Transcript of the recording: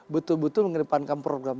betul betul mengedepankan program